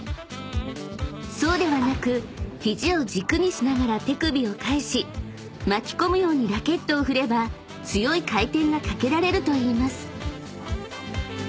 ［そうではなく肘を軸にしながら手首を返し巻き込むようにラケットを振れば強い回転がかけられるといいます］